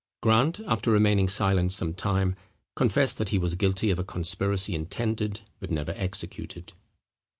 Grant, after remaining silent some time, confessed that he was guilty of a conspiracy intended, but never executed.